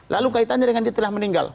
lalu kaitannya dengan dia telah meninggal